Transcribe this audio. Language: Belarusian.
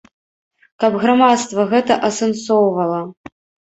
Каб грамадства гэта асэнсоўвала.